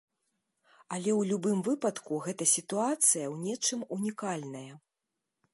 Але ў любым выпадку гэта сітуацыя ў нечым унікальная.